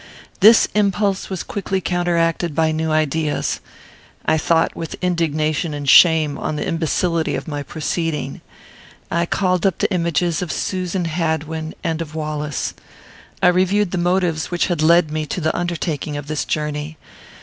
This impulse was quickly counteracted by new ideas. I thought with indignation and shame on the imbecility of my proceeding. I called up the images of Susan Hadwin, and of Wallace. I reviewed the motives which had led me to the undertaking of this journey.